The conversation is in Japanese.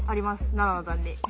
７の段に。